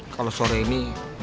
kalau sore ini